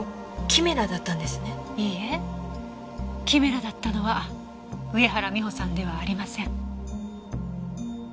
キメラだったのは上原美帆さんではありません。